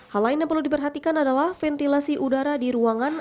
hal lain yang perlu diperhatikan adalah ventilasi udara di ruangan